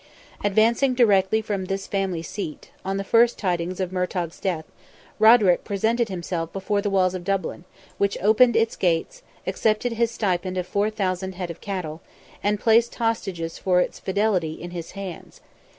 Advancing directly from this family seat, on the first tidings of Murtogh's death, Roderick presented himself before the walls of Dublin, which opened its gates, accepted his stipend of four thousand head of cattle, and placed hostages for its fidelity in his hands.